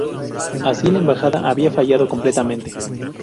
Así, la embajada había fallado completamente.